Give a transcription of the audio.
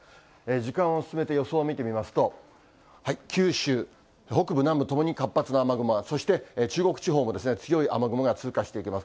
時間を進めて予想を見てみますと、九州北部、南部ともに活発な雨雲が、そして中国地方も強い雨雲が通過していきます。